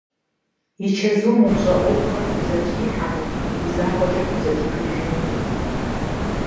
И чэзум умыщӏа ӏуэхухэр пхузэтрихьэмэ, уи закъуэкӏэ пхузэтехыжынкъым.